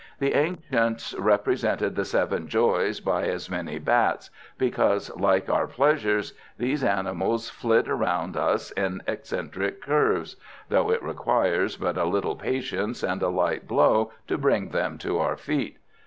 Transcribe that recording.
The ancients represented 'The Seven Joys' by as many bats, because, like our pleasures, these animals flit around us in eccentric curves; though it requires but a little patience and a light blow to bring them to our feet.